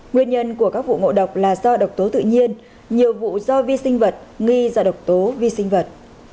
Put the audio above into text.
nguyên nhân của các vụ ngộ độc là do độc tố tự nhiên nhiều vụ do vi sinh vật nghi do độc tố vi sinh vật